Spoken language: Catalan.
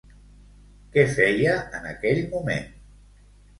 Què feia en aquell moment?